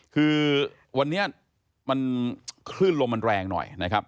คือวันนี้มันคลื่นลมมันแรงหน่อยนะครับ